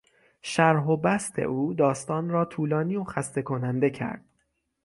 شرح و بسط او داستان را طولانی و خسته کننده کرد.